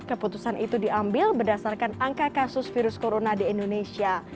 keputusan itu diambil berdasarkan angka kasus virus corona di indonesia